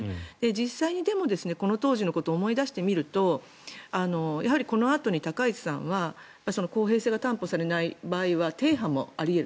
実際に、この当時のことを思い出してみるとこのあとに高市さんは公平性が担保されない場合は停波もあり得る。